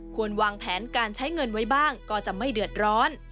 ควรวางแผนการใช้เงินไว้บ้างก็จะไม่เดือดร้อน